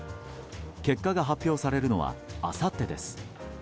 結果が発表されるのはあさってです。